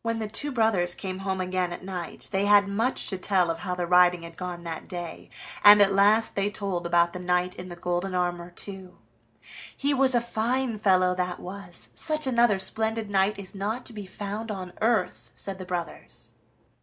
When the two brothers came home again at night they had much to tell of how the riding had gone off that day, and at last they told about the knight in the golden armor too. "He was a fine fellow, that was! Such another splendid knight is not to be found on earth!" said the brothers.